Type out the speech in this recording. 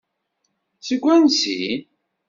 Seg wansi?